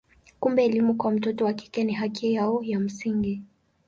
Kumbe elimu kwa watoto wa kike ni haki yao ya msingi.